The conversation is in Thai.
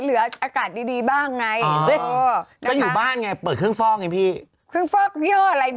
รู้ไม่ทันถามเยอะหรือเปิด